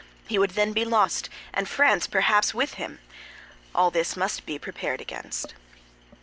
He would then be lost, and France, perhaps, with him. All this must be prepared against.